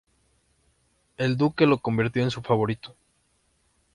El duque lo convirtió en su favorito.